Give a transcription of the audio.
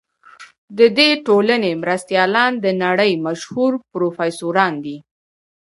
د دې ټولنې مرستیالان د نړۍ مشهور پروفیسوران دي.